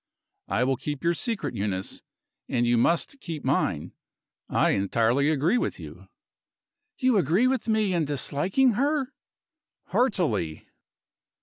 "I will keep your secret, Eunice; and you must keep mine. I entirely agree with you." "You agree with me in disliking her?" "Heartily."